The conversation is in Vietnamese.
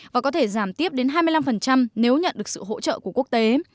và có thể giảm tiếp đến hai mươi năm nếu nhận được sự hỗ trợ của quốc tế